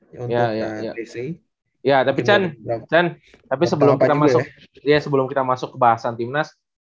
ya tapi chan sebelum kita masuk ke bahasan tim nas